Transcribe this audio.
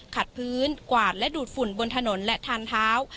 พื้นกวาดและดูดฝุ่นบนถนนและทานเท้า